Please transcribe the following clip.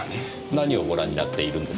何をご覧になっているんですか？